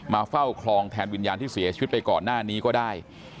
เฝ้าคลองแทนวิญญาณที่เสียชีวิตไปก่อนหน้านี้ก็ได้